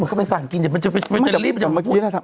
มันเข้าไปสั่งกินเดี๋ยวมันจะมันจะรีบมันจะมันเมื่อกี้นะครับ